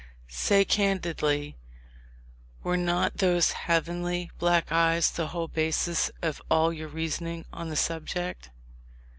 ... Say candidly, were not those heavenly black eyes the whole basis of all of your reasoning on the subject?